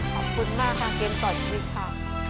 ขอบคุณมากค่ะเกมต่อชีวิตค่ะ